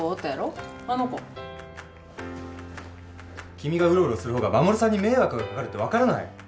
君がうろうろする方が衛さんに迷惑が掛かるって分からない？